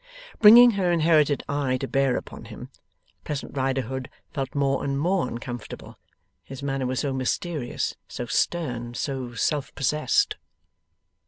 Bringing her inherited eye to bear upon him, Pleasant Riderhood felt more and more uncomfortable, his manner was so mysterious, so stern, so self possessed.